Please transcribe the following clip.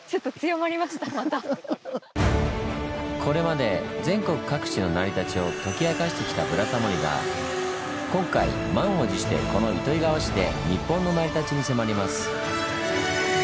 これまで全国各地の成り立ちを解き明かしてきた「ブラタモリ」が今回満を持してこの糸魚川市で日本の成り立ちに迫ります。